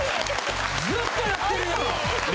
ずっとやってるやん！